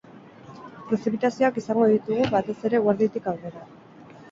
Prezipitazioak izango ditugu, batez ere eguerditik aurrera.